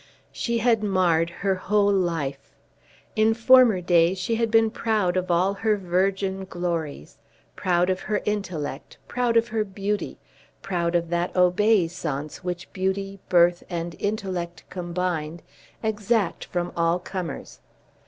She had marred her whole life. In former days she had been proud of all her virgin glories, proud of her intellect, proud of her beauty, proud of that obeisance which beauty, birth, and intellect combined, exact from all comers.